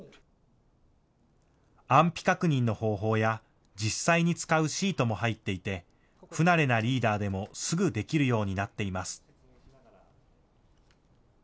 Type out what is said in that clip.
安否確認の方法や実際に使うシートも入っていて不慣れなリーダーでもすぐできるようになっています。